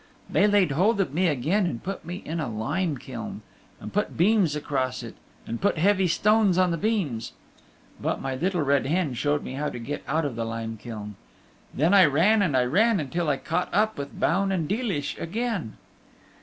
They laid hold of me again and put me in a lime kiln, and put beams across it, and put heavy stones on the beams. But my Little Red Hen showed me how to get out of the lime kiln. Then I ran and I ran until I caught up with Baun and Deelish again.